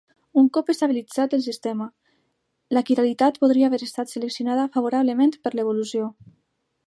Un cop estabilitzat el sistema, la quiralitat podria haver estat seleccionada favorablement per l'evolució.